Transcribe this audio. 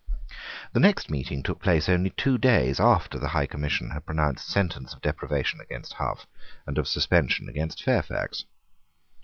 The next meeting took place only two days after the High Commission had pronounced sentence of deprivation against Hough, and of suspension against Fairfax.